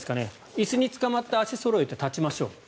椅子につかまって足をそろえて立ちましょう。